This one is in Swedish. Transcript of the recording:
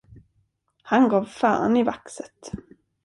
Han gav fan i vaxet.